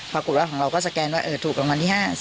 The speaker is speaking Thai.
ปรากฏว่าของเราก็สแกนว่าถูกรางวัลที่๕ที่๒๐๐๐๐บาท